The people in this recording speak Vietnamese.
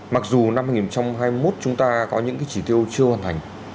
mặc dù năm hai nghìn hai mươi một chúng ta có những chỉ tiêu chưa hoàn thành